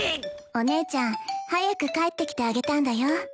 お姉ちゃん早く帰ってきてあげたんだよ。